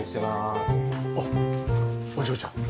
あっお嬢ちゃん。